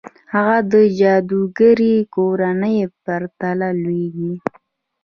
هغه د جادوګرې کورنۍ پرته لوېږي.